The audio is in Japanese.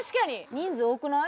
人数多くない？